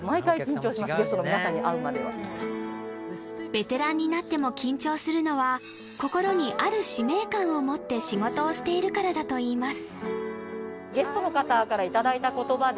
ベテランになっても緊張するのは心にある使命感を持って仕事をしているからだといいます